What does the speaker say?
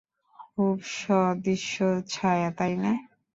খুব সুদৃশ্য ছায়া, তাই না?